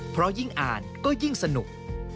เพราะยิ่งอ่านก็ยิ่งสนุก